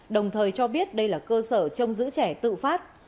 đồng thời cho biết đây là cơ sở trong giữ trẻ tự phát